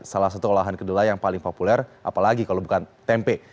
salah satu olahan kedelai yang paling populer apalagi kalau bukan tempe